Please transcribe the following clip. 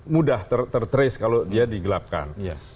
mudah ter trace kalau dia digelapkan